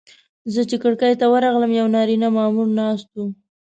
زه چې کړکۍ ته ورغلم یو نارینه مامور ناست و.